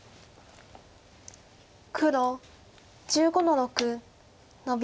黒１５の六ノビ。